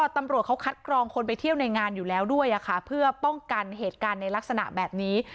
ตำรวจเขาคัดกรองคนไปเที่ยวในงานอยู่แล้วด้วยเพื่อป้องกันเหตุการณ์ในลักษณะแบบนี้